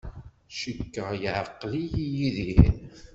Cikkeɣ yeɛqel-iyi Yidir.